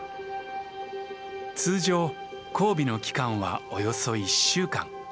通常交尾の期間はおよそ１週間。